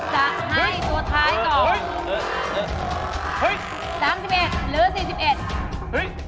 ถูกก่อนถูกก่อนถูกก่อนถูกก่อนถูกก่อน